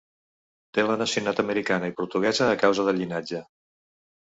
Té la nacionalitat americana i portuguesa, a causa del llinatge.